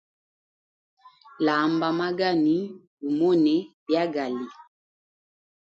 Lamba magani gumone byagali.